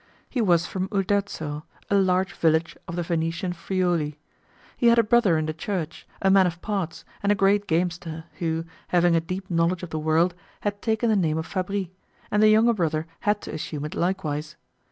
He was from Uderzo, a large village of the Venetian Friuli. He had a brother in the Church, a man of parts, and a great gamester, who, having a deep knowledge of the world, had taken the name of Fabris, and the younger brother had to assume it likewise.